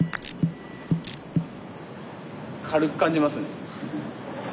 軽く感じますね。